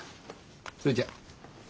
それじゃ。